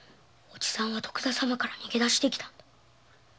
おじさんは徳田様から逃げ出してきたんだ！